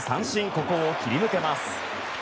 ここを切り抜けます。